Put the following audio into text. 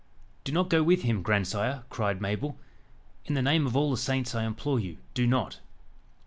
"Do not go with him, grandsire," cried Mabel. "In the name of all the saints, I implore you, do not."